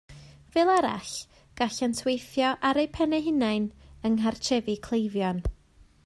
Fel arall, gallent weithio ar eu pen eu hunain yng nghartrefi cleifion